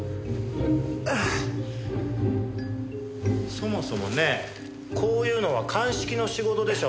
そもそもねこういうのは鑑識の仕事でしょ？